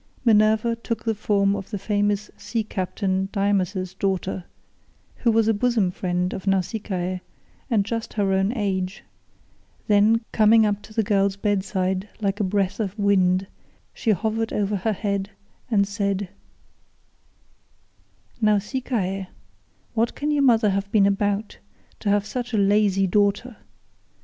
Minerva took the form of the famous sea captain Dymas's daughter, who was a bosom friend of Nausicaa and just her own age; then, coming up to the girl's bedside like a breath of wind, she hovered over her head and said: "Nausicaa, what can your mother have been about, to have such a lazy daughter?